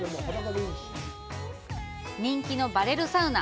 人気のバレルサウナ。